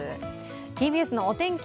ＴＢＳのお天気